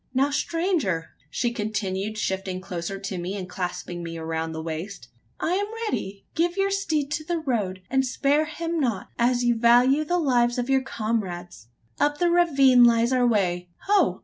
Now, stranger!" she continued, shifting closer to me, and clasping me round the waist, "I am ready. Give your steed to the road; and spare him not, as you value the lives of your comrades. Up the ravine lies our way. Ho!